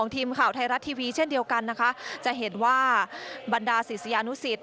ทีมข่าวไทยรัฐทีวีเช่นเดียวกันนะคะจะเห็นว่าบรรดาศิษยานุสิต